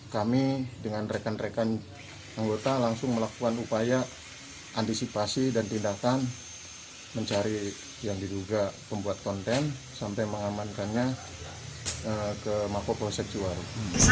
kami dengan rekan rekan anggota langsung melakukan upaya antisipasi dan tindakan mencari yang diduga pembuat konten sampai mengamankannya ke mako polsek ciwaru